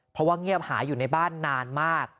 เพราะว่าเงียบหายอยู่ในบ้านนานมาก